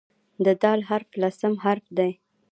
د "د" حرف لسم حرف دی.